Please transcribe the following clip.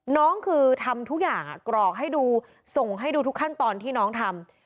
น้องคือทำทุกอย่างกรอกให้ดูส่งให้ดูทุกขั้นตอนที่น้องทำ